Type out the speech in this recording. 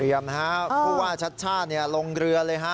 เตรียมเพราะว่าชัดลงเรือเลย